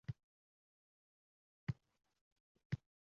Madaniy-ma’rifiy va ijodiy uchrashuvlar davom etmoqda...